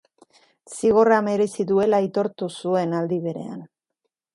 Zigorra merezi duela aitortu zuen aldi berean.